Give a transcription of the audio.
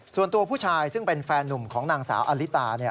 ส่วนตัวผู้ชายซึ่งเป็นแฟนนุ่มของนางสาวอลิตา